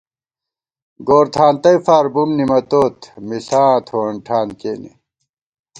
گور تھانتَئےفار بُم نِمَتوت مِݪاں تھووَن ٹھان کېنے